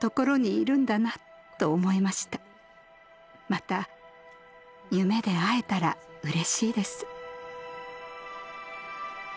また夢で会えたらうれしいです。